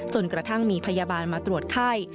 จนกระทั่งมีพยาบาลมาตรวจไข้